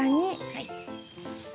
はい。